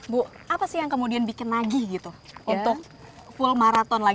bu apa sih yang kemudian bikin nagih gitu untuk full maraton lagi